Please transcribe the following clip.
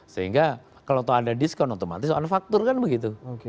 sehingga kalau tahu ada diskon otomatis anfaktur kan begitu